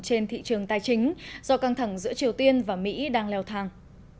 trên thị trường tài chính do căng thẳng giữa triều tiên và mỹ đang leo thang